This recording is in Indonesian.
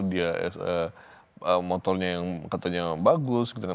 dia motornya yang katanya bagus